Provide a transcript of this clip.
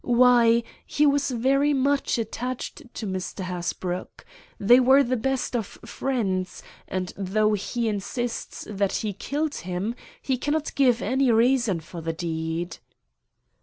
Why, he was very much attached to Mr. Hasbrouck! They were the best of friends, and though he insists that he killed him, he cannot give any reason for the deed."